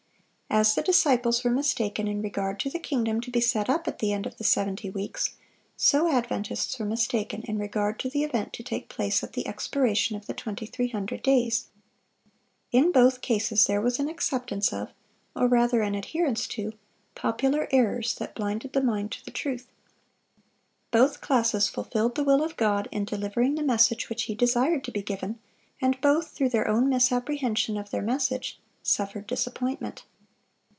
As the disciples were mistaken in regard to the kingdom to be set up at the end of the seventy weeks, so Adventists were mistaken in regard to the event to take place at the expiration of the 2300 days. In both cases there was an acceptance of, or rather an adherence to, popular errors that blinded the mind to the truth. Both classes fulfilled the will of God in delivering the message which He desired to be given, and both, through their own misapprehension of their message, suffered disappointment.